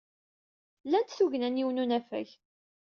Lant tugna n yiwen n unafag.